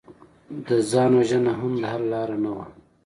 د ځان وژنه هم د حل لاره نه وه